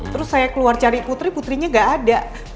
terus saya keluar cari putri putrinya gak ada